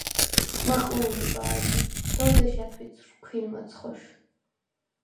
მაყლუ̄ნი ბა̄ზი, “დოვ დეშ ა̈თუ̈ცვრ ქვინ მჷცხუშ”.